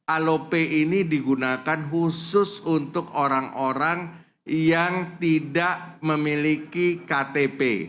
alope ini digunakan khusus untuk orang orang yang tidak memiliki ktp